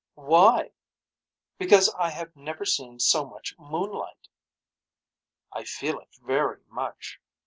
Why. Because I have never seen so much moonlight. I feel it very much.